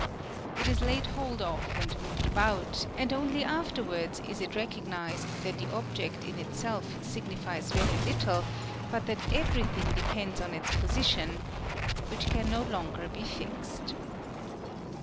It is laid ho of and moved about, and only afterwards is it recognised that the obje in itself signifies very little but that everything depends on its position= which can no longer be fixed.